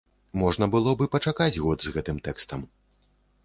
Можна было б і пачакаць год з гэтым тэкстам.